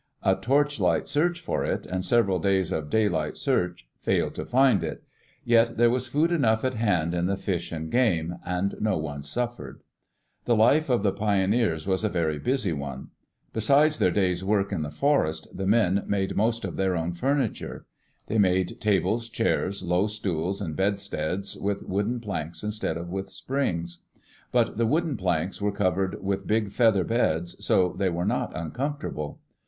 A torchlight search for it, and several days of daylight search, failed to find it. Yet there was food enough at hand in the fish and game, and no one suffered. The life of the pioneers was a very busy one. Besides their day's work in the forest, the men made most of their iPronounced so that it almost rhymes with silky, Digitized by Google EARLY ADVENTURES IN SEATTLE own furniture. They made tables, chairs, low stools, and bedsteads with wooden planks instead of with springs. But the wooden planks were covered with big feather beds, so they were not uncomfortable.